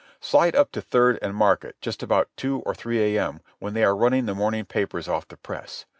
Slide up to Third and Market just about two or three a.m. when they are running the morning papers off the press.